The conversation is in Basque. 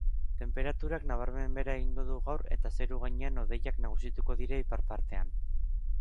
Tenperaturak nabarmen behera egingo du gaur eta zeru-gainean hodeiak nagusituko dira ipar partean.